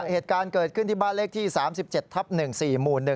เหตุการณ์เกิดขึ้นที่บ้านเลขที่๓๗ทับ๑๔หมู่๑